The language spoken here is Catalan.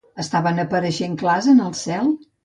Estaven apareixent clars en el cel?